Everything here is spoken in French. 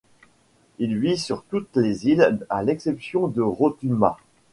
Il vit sur toutes les îles à l'exception de Rotuma.